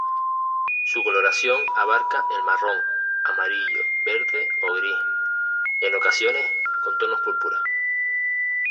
Su coloración abarca el marrón, amarillo, verde o gris, en ocasiones con tonos púrpura.